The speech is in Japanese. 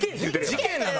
事件なの？